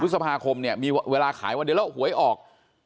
พฤษภาคมเนี่ยมีเวลาขายวันเดียวแล้วหวยออก